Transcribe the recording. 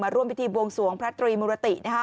ร่วมพิธีบวงสวงพระตรีมุรติ